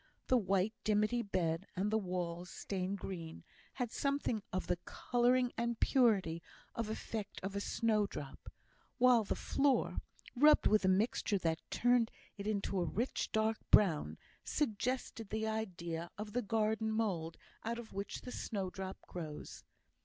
The white dimity bed, and the walls, stained green, had something of the colouring and purity of effect of a snowdrop; while the floor, rubbed with a mixture that turned it into a rich dark brown, suggested the idea of the garden mould out of which the snowdrop grows.